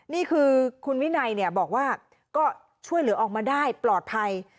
นี่คือคุณวินัยบอกว่าก็ช่วยเหลือออกมาได้ปลอดภัย